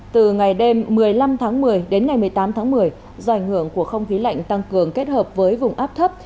từ ngày đêm một mươi năm tháng một mươi đến ngày một mươi tám tháng một mươi do ảnh hưởng của không khí lạnh tăng cường kết hợp với vùng áp thấp